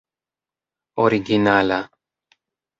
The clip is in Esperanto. originala